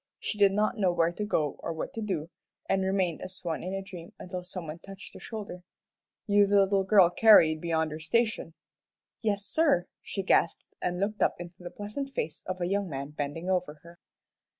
She did not know where to go or what to do, and remained as one in a dream until some one touched her shoulder. "You the little girl carried beyond your station?" "Yes, sir," she gasped, and looked up into the pleasant face of a young man bending over her.